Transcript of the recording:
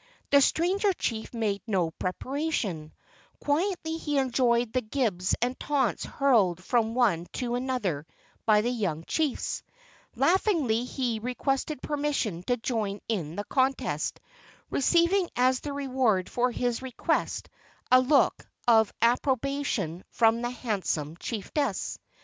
The stranger chief made no preparation. Quietly LEGENDARY CANOE MAKING 31 he enjoyed the gibes and taunts hurled from one to another by the young chiefs. Laughingly he requested permission to join in the contest, receiving as the reward for his request a look of approbation from the handsome chiefess.